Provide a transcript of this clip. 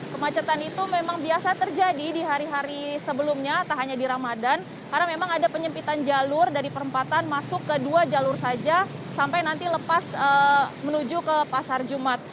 kemacetan itu memang biasa terjadi di hari hari sebelumnya tak hanya di ramadan karena memang ada penyempitan jalur dari perempatan masuk ke dua jalur saja sampai nanti lepas menuju ke pasar jumat